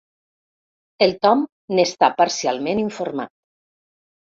El Tom n'està parcialment informat.